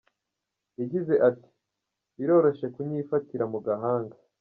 Yagize ati: "Biroroshe kunyifatira mu gahanga.